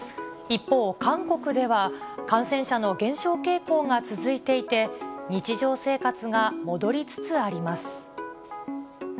一方、韓国では、感染者の減少傾向が続いていて、日常生活が戻りつつあります。